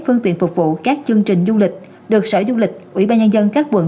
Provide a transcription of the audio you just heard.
phương tiện phục vụ các chương trình du lịch được sở du lịch ủy ban nhân dân các quận